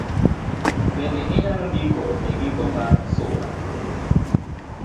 Bende inyalo ndiko e giko mar sula